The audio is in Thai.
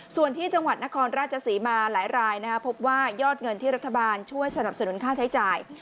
ส่วนที่จังหวัดนครราชศรีมาหลายรายพบว่ายอดเงินที่รัฐบาลช่วยสนับสนุนค่าใช้จ่าย